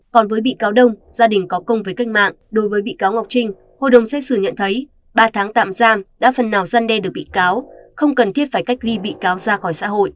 còn với bị cáo đông gia đình có công với cách mạng đối với bị cáo ngọc trinh hội đồng xét xử nhận thấy ba tháng tạm giam đã phần nào gian đe được bị cáo không cần thiết phải cách ly bị cáo ra khỏi xã hội